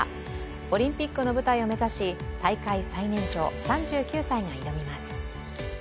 オリンピックの舞台を目指し、大会最年長３９歳が挑みます。